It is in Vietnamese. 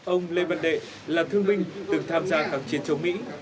ông lê văn đệ là thương minh từng tham gia các chiến chống mỹ